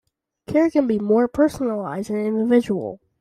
Care can be more personalized and individual.